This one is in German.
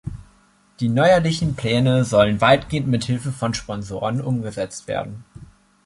Die neuerlichen Pläne sollen weitgehend mit Hilfe von Sponsoren umgesetzt werden.